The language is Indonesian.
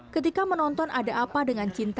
ketika menonton ada apa dengan cinta